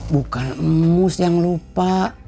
bukan emus yang lupa